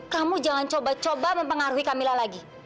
kamu jangan coba coba mempengaruhi kamila lagi